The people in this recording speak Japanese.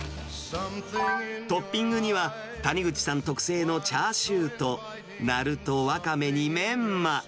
トッピングには、谷口さん特製のチャーシューと、なると、ワカメにメンマ。